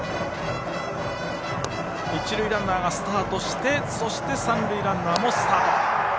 一塁ランナーがスタートしてそして、三塁ランナーもスタート。